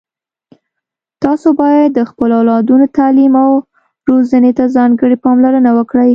تاسو باید د خپلو اولادونو تعلیم او روزنې ته ځانګړي پاملرنه وکړئ